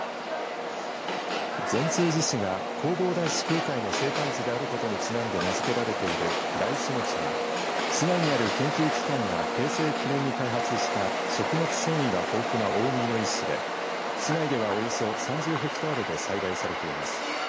善通寺市が弘法大師空海の生誕地であることにちなんで名付けられているダイシモチは市内にある研究機関が平成９年に開発した食物繊維が豊富な大麦の一種で市内では、およそ３０ヘクタールで栽培されています。